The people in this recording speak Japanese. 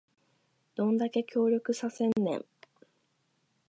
どんだけ協力させんねん